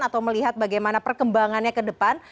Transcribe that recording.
atau melihat bagaimana perkembangannya ke depan